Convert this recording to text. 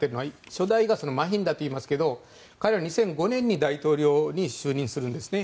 初代はマヒンダといいますが彼は２００５年に大統領に就任するんですね。